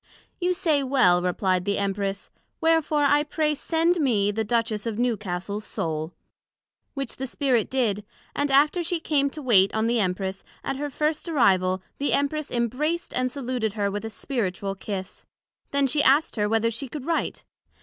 You say well, replied the Empress; wherefore I pray send me the Duchess of Newcastle's Soul; which the Spirit did; and after she came to wait on the Empress, at her first arrival the Empress imbraced and saluted her with a Spiritual kiss; then she asked her whether she could write?